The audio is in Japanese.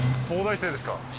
東大生ですか？